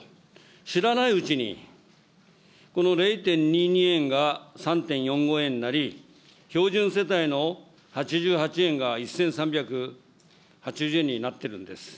知らないうちに、この０．２２円が３．４５円になり、標準世帯の８８円が１３８０円になっているんです。